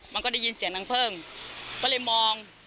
มันก็ได้ยินเสียงนางเพิ่มก็เลยมอง